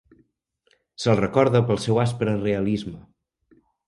Se'l recorda pel seu aspre realisme.